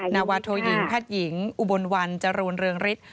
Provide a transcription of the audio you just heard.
นวัตถุหญิงพัดหญิงอุบลวัลจรูนเรืองฤทธิ์